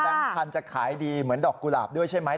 แบงค์๑๐๐๐จะขายดีเหมือนดอกกุหลาบด้วยใช่ไหม